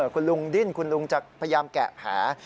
คุณลุงดิ้นคุณลุงจะพยายามแกะแผล